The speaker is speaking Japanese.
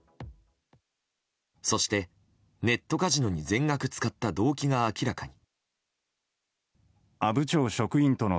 そしてネットカジノに全額使った動機が明らかに。